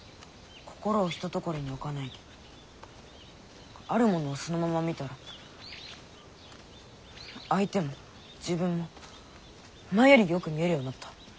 心をひとところに置かないであるものをそのまま見たら相手も自分も前よりよく見えるようになった。